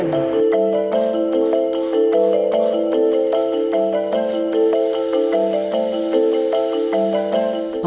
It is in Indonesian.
pemerintah kota surabaya